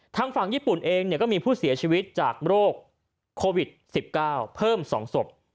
ทางฝั่งญี่ปุ่นเองก็มีผู้เสียชีวิตจากโรคโควิด๑๙เพิ่ม๒ศพ